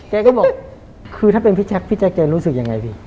แกก็บอกคือถ้าเป็นพี่แจ๊คพี่แจ๊คแกรู้สึกยังไงพี่